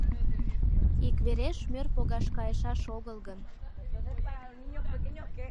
Иквереш мӧр погаш кайышаш огыл гын.